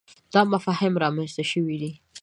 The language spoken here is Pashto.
دا مفاهیم رامنځته شوي دي.